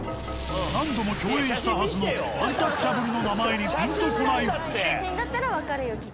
何度も共演したはずのアンタッチャブルの名前にピンとこない夫人。